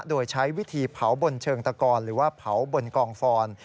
โดยใช้วิธีเผาบนเชิงตะกอนหรือว่าเผาบนกองฟอน